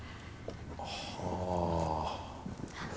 はあ。